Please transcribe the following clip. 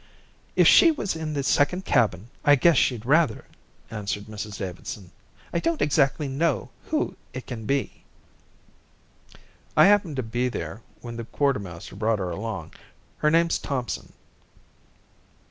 "If she was in the second cabin I guess she'd rather," answered Mrs Davidson. "I don't exactly know who it can be." "I happened to be there when the quartermaster brought her along. Her name's Thompson."